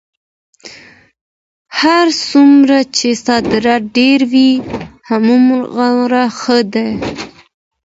هر څومره چې صادرات ډېر وي هغومره ښه ده.